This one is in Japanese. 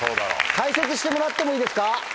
解説してもらってもいいですか。